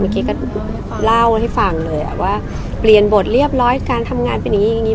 เมื่อกี้ก็เล่าให้ฟังเลยว่าเปลี่ยนบทเรียบร้อยการทำงานเป็นอย่างนี้อย่างนี้